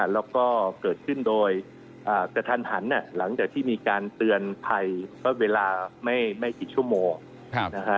แล้วก็เกิดขึ้นโดยกระทันหันหลังจากที่มีการเตือนภัยก็เวลาไม่กี่ชั่วโมงนะฮะ